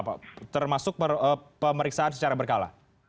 pak termasuk pemeriksaan secara berkala